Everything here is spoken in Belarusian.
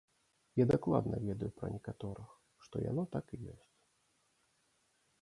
Я дакладна ведаю пра некаторых, што яно так і ёсць.